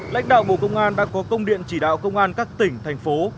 lãnh đạo bộ công an đã có công điện chỉ đạo công an các tỉnh thành phố